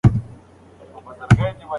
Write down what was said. ایوب خان ویلي وو چې ښه وایي.